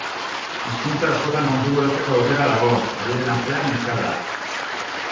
Hizkuntza askotan konfiguratzeko aukera dago, horien artean euskara.